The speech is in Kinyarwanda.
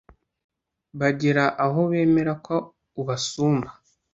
bagera aho bemera ko ubasumba